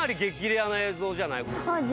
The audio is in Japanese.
レアな映像じゃない？